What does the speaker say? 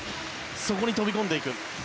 そこに飛び込んでいく。